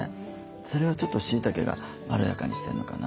それはちょっとしいたけがまろやかにしてるのかな？